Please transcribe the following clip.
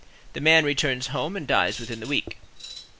The man returns home and dies within the week.